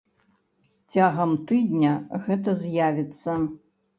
Цягам тыдня гэта з'явіцца.